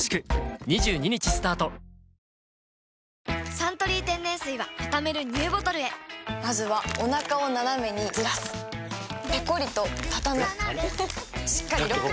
「サントリー天然水」はたためるＮＥＷボトルへまずはおなかをナナメにずらすペコリ！とたたむしっかりロック！